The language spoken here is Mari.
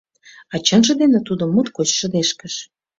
А чынже дене тудо моткоч шыдешкыш.